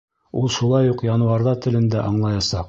Ул шулай уҡ януарҙар телен дә аңлаясаҡ.